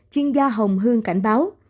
chuyên gia hồng hương cảnh báo